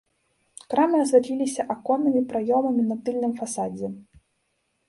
Крамы асвятляліся аконнымі праёмамі на тыльным фасадзе.